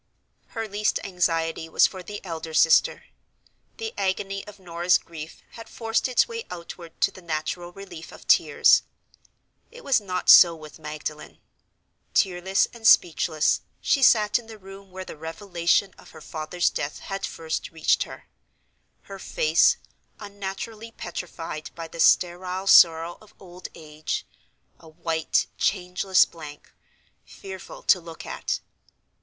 Her least anxiety was for the elder sister. The agony of Norah's grief had forced its way outward to the natural relief of tears. It was not so with Magdalen. Tearless and speechless, she sat in the room where the revelation of her father's death had first reached her; her face, unnaturally petrified by the sterile sorrow of old age—a white, changeless blank, fearful to look at.